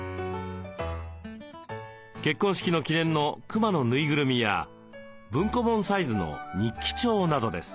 結婚式の記念のクマのぬいぐるみや文庫本サイズの日記帳などです。